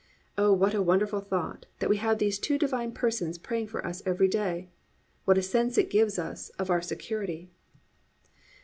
Oh, what a wonderful thought, that we have these two divine persons praying for us every day. What a sense it gives us of our security.